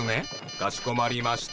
かしこまりました。